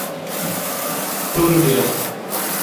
ٹُر گیا